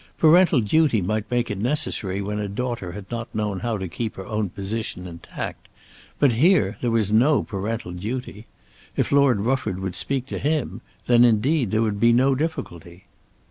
Parental duty might make it necessary when a daughter had not known how to keep her own position intact; but here there was no parental duty. If Lord Rufford would speak to him, then indeed there would be no difficulty.